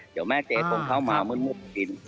เดี๋ยวแม่เจ๊คงเข้ามามืดกิน